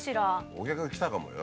お客が来たかもよ。